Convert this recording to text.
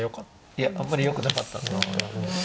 いやあんまりよくなかった。